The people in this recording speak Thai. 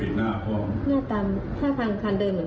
ผู้หญิงใส่หมวปิดหน้าพร้อมหน้าตามถ้าทางคันเดินเหมือน